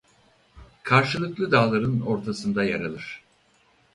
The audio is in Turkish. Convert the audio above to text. Karşılıklı dağların ortasında yer alır.